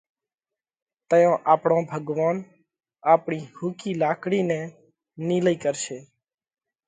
تئيون آپڻو ڀڳوونَ آپڻِي ۿُوڪِي لاڪڙِي نئہ نِيلئِي ڪرشي۔